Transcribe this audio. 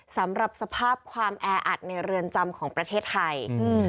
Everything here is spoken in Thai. สำหรับสภาพความแออัดในเรือนจำของประเทศไทยอืม